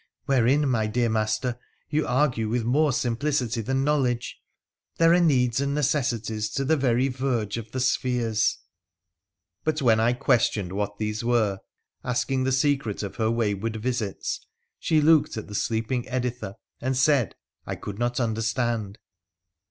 ' Wherein, my dear master, you argue with more simplicity than knowledge. There are needs and necessities to the very verge of the spheres.' But when I questioned what these were, asking the secret of her wayward visits, she looked at the sleeping Editha, and said I could not understand.